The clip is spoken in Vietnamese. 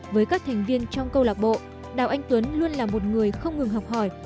với các thành viên trong câu lạc bộ đào anh tuấn luôn là một người không ngừng học hỏi